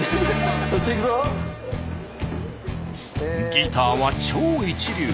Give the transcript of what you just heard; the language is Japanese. ギターは超一流。